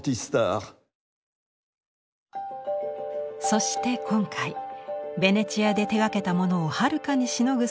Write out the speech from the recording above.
そして今回ベネチアで手がけたものをはるかにしのぐ